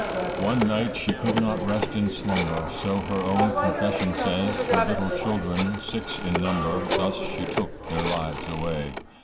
One night she could not rest in slumber, So her own confession says, Her little children, six in number, Thus she took their lives away.